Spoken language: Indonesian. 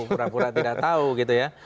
pura pura tidak tahu gitu ya